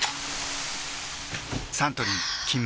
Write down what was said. サントリー「金麦」